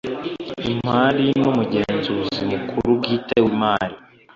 Imari n umugenzuzi mukuru bwite w imari